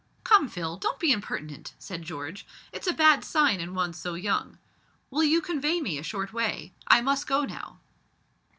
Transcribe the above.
"Come, Phil, don't be impertinent," said George, "it's a bad sign in one so young. Will you convoy me a short way? I must go now."